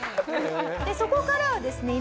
そこからはですね